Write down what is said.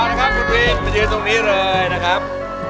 เอาละครับคุณกรีดมายืนตรงนี้เลยนะครับ